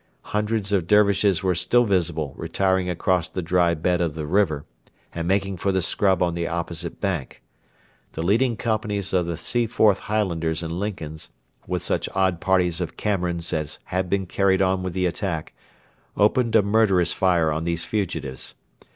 Hundreds of Dervishes were still visible retiring across the dry bed of the river, and making for the scrub on the opposite bank. The leading companies of the Seaforth Highlanders and Lincolns, with such odd parties of Camerons as had been carried on with the attack, opened a murderous fire on these fugitives.